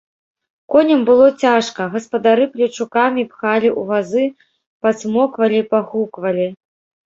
Коням было цяжка, гаспадары плечукамі пхалі ў вазы, пацмоквалі, пагуквалі.